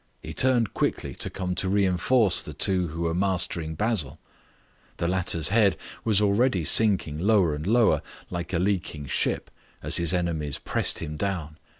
He turned quickly to come to reinforce the two who were mastering Basil. The latter's head was already sinking lower and lower, like a leaking ship, as his enemies pressed him down.